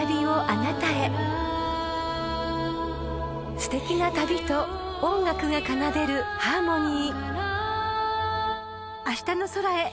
［すてきな旅と音楽が奏でるハーモニー］